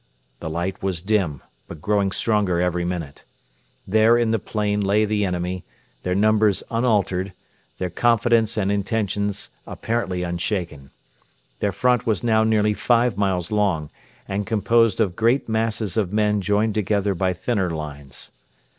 The light was dim, but growing stronger every minute. There in the plain lay the enemy, their numbers unaltered, their confidence and intentions apparently unshaken. Their front was now nearly five miles long, and composed of great masses of men joined together by thinner lines.